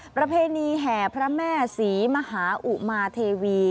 ประเพณีแห่พระแม่ศรีมหาอุมาเทวี